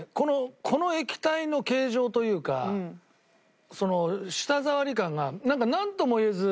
この液体の形状というか舌触り感がなんかなんともいえずこう。